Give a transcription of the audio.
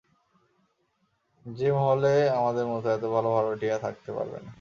যে মহলে আমাদের মত, এত ভালো ভাড়াটিয়া, থাকতে পারবে না।